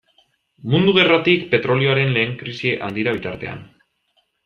Mundu Gerratik petrolioaren lehen krisi handira bitartean.